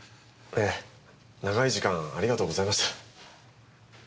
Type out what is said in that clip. ええ長い時間ありがとうございました。